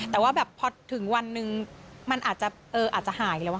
แต่ว่าแบบพอถึงวันหนึ่งมันอาจจะหายแล้ว